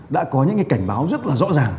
đã có những cái cảnh báo rất là rõ ràng